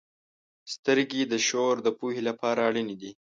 • سترګې د شعور د پوهې لپاره اړینې دي.